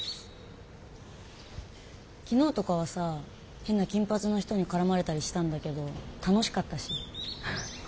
昨日とかはさ変な金髪の人に絡まれたりしたんだけど楽しかったし本当分かんない。